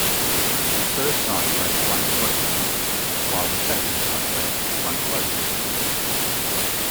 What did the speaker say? The first side read: "", while the second side read: "".